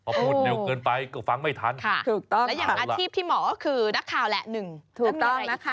พอพูดเร็วเกินไปก็ฟังไม่ทัน